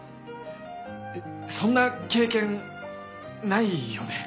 そんな経験ないよね？